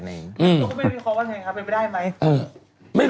ได้มั้ย